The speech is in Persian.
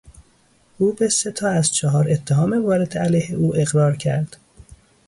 او به سه تا از چهار اتهام وارده علیه او اقرار کرد.